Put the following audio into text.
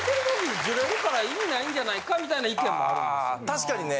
確かにね。